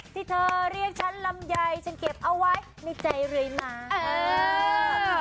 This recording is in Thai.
ที่เธอเรียกฉันลำไยฉันเก็บเอาไว้ในใจเรื่อยมา